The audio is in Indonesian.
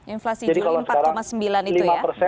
inflasi juli empat sembilan itu ya